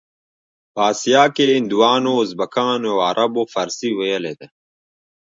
په اسیا کې هندوانو، ازبکانو او عربو فارسي ویلې ده.